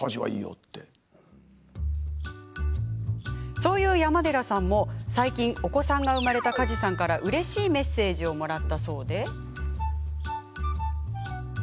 そういう山寺さんも最近、お子さんが生まれた梶さんからうれしいメッセージをもらったそうで。